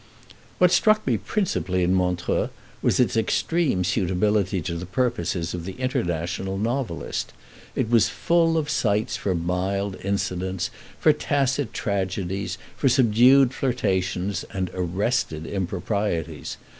What struck me principally in Montreux was its extreme suitability to the purposes of the international novelist. It was full of sites for mild incidents, for tacit tragedies, for subdued flirtations, and arrested improprieties.